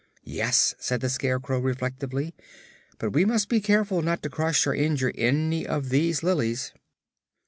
"Yes," said the Scarecrow, reflectively, "but we must be careful not to crush or injure any of these lilies."